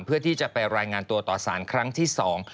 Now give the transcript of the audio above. เพื่อที่จะไปรายงานตัวต่อสารครั้งที่สอง